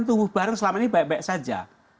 tumbuh bareng selama ini baik baik saja